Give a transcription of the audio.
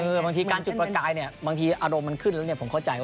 บางทีการจุดประกายเนี่ยบางทีอารมณ์มันขึ้นแล้วเนี่ยผมเข้าใจว่า